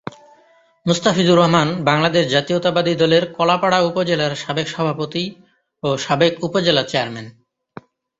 মুস্তাফিজুর রহমান বাংলাদেশ জাতীয়তাবাদী দলের কলাপাড়া উপজেলার সাবেক সভাপতি ও সাবেক উপজেলা চেয়ারম্যান।